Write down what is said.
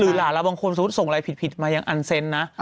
หลานเราบางคนสมมุติส่งอะไรผิดมายังอันเซ็นต์นะ